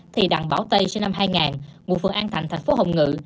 thì đặng bảo tây sinh năm hai nghìn ngụ phường an thạnh thành phố hồng ngự